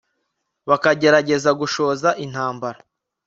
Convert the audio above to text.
bakagerageza gushoza intambara